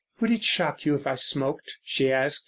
"Would it shock you if I smoked?" she asked.